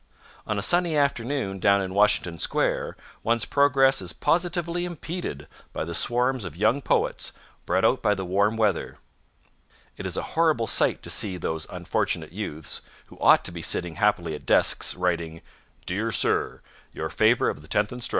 On a sunny afternoon down in Washington Square one's progress is positively impeded by the swarms of young poets brought out by the warm weather. It is a horrible sight to see those unfortunate youths, who ought to be sitting happily at desks writing "Dear Sir, Your favor of the tenth inst.